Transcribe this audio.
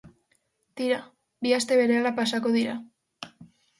Tira, bi aste berehala pasako dira.